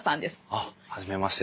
あっ初めまして。